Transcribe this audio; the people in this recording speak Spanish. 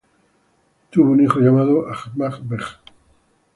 Tuvo un hijo llamado Ahmad Beg.